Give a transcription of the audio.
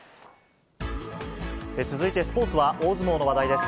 続いてスポーツは大相撲の話題です。